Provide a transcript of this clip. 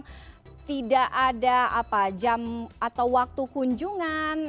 karena tidak ada jam atau waktu kunjungan